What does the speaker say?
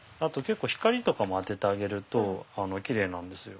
光とかも当ててあげるとキレイなんですよ。